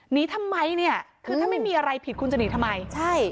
หนีทำไมคือถ้าไม่มีอะไรผิดคุณจะหนีทำไม